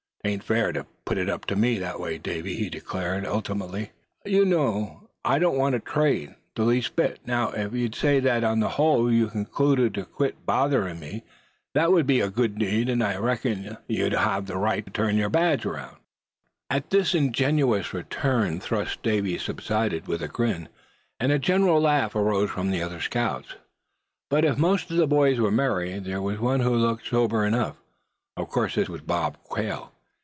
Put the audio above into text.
"'Tain't fair to put it up to me that way, Davy," he declared, obstinately. "You just know I don't want to trade, the least bit. Now, if you'd say, that on the whole you'd concluded to quit botherin' me, that would be a good deed, and I reckon you'd ought to have the right to turn your badge." At this ingenious return thrust Davy subsided, with a grin, and a general laugh arose from the other scouts. But if most of the boys were merry, there was one who looked sober enough. Of course this was Bob Quail.